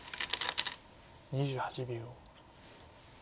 ２８秒。